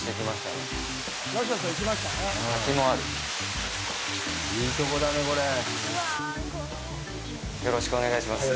よろしくお願いします。